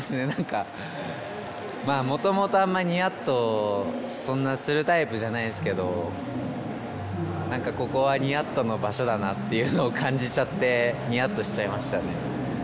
何かまぁもともとあんまニヤッとそんなするタイプじゃないんすけど何かここはニヤッとの場所だなっていうのを感じちゃってニヤッとしちゃいましたね